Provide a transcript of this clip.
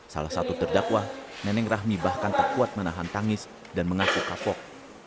salah satu terdakwa neneng rahmi bahkan tak kuat menahan tangis dan mengaku kapok